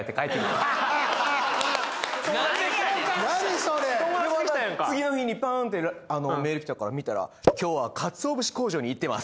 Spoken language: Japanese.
それでまた次の日にパーンってメール来たから見たら「今日は鰹節工場に行ってます」